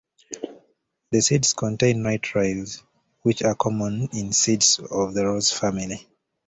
The seeds contain nitriles, which are common in seeds of the rose family.